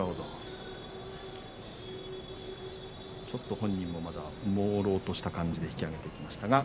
ちょっと本人もまだもうろうとした感じで引き揚げていきました。